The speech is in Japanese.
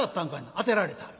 「当てられた」。